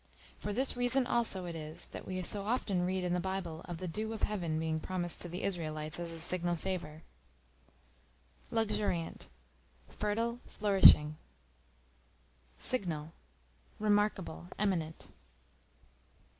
For this reason also it is, that we so often read in the Bible of the "dew of Heaven" being promised to the Israelites as a signal favor. Luxuriant, fertile, flourishing. Signal, remarkable, eminent.